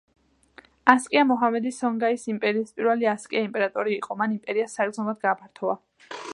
ასკია მოჰამედი სონგაის იმპერიის პირველი ასკია იმპერატორი იყო, მან იმპერია საგრძნობლად გააფართოვა.